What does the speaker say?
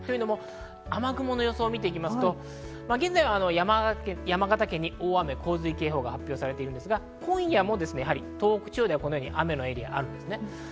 雨雲の様子を見ていきますと現在、山形県に大雨洪水警報が発表されていますが、今夜も東北地方で雨のエリアがあるんです。